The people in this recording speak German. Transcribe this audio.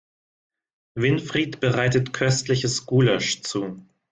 Winfried bereitet köstliches Gulasch zu.